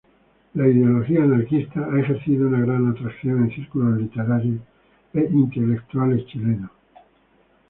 La ideología anarquista ha ejercido una gran atracción en círculos literarios e intelectuales chilenos.